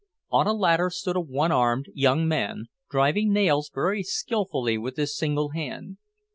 On a ladder stood a one armed young man, driving nails very skillfully with his single hand.